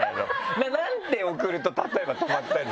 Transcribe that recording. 何て送ると例えば止まったりするの？